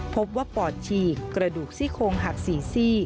พบว่าปอดฉีกกระดูกซี่โคงหักสี่ซี่